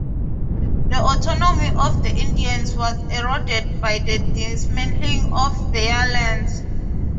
The autonomy of the Indians was eroded by the dismantling of their lands.